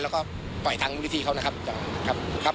เราก็ปล่อยทางมูลิธีเขานะครับ